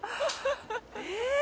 え？